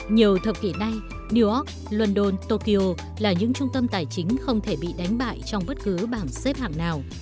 nhiều thập kỷ nay new york london tokyo là những trung tâm tài chính không thể bị đánh bại trong bất cứ bảng xếp hạng nào